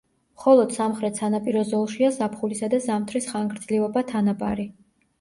მხოლოდ სამხრეთ სანაპირო ზოლშია ზაფხულისა და ზამთრის ხანგრძლივობა თანაბარი.